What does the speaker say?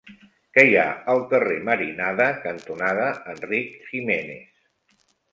Què hi ha al carrer Marinada cantonada Enric Giménez?